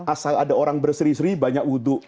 asal ada orang berseri seri banyak wudhu